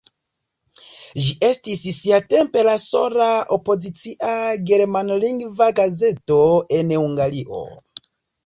Ĝi estis siatempe la sola opozicia germanlingva gazeto en Hungario.